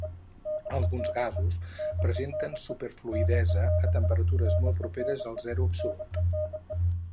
Alguns gasos presenten superfluïdesa a temperatures molt properes al zero absolut.